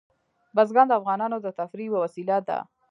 بزګان د افغانانو د تفریح یوه وسیله ده.